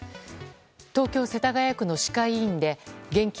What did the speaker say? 東京・世田谷区の歯科医院で現金